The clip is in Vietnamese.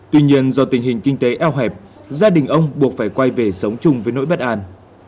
tuy nhiên do tình hình kinh tế eo hẹp gia đình ông buộc phải quay về sống chung với nỗi bất an